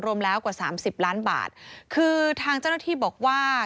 รวมแล้วกว่าสามสิบล้านบาทคือทางเจ้าหน้าที่บอกว่า